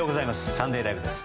「サンデーＬＩＶＥ！！」です。